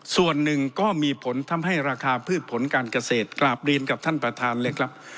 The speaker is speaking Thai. ส่วนหนึ่งก็มีผลทำให้ราคาพืชผลการเกษตรกราบเรียนกับท่านประธานเลยครับ